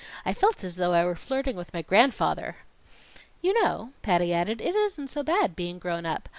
I felt as though I were flirting with my grandfather. You know," Patty added, "it isn't so bad, being grown up.